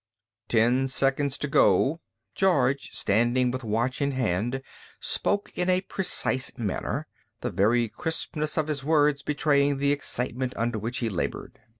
"Ten seconds to go." George, standing with watch in hand, spoke in a precise manner, the very crispness of his words betraying the excitement under which he labored.